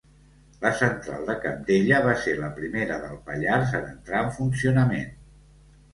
La central de Cabdella va ser la primera del Pallars en entrar en funcionament.